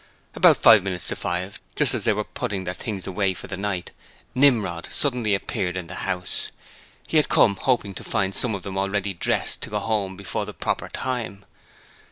About five minutes to five, just as they were all putting their things away for the night, Nimrod suddenly appeared in the house. He had come hoping to find some of them ready dressed to go home before the proper time.